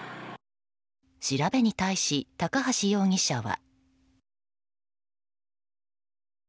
調べに対し高橋容疑者は。